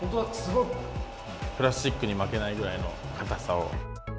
プラスチックに負けないぐらいの硬さを。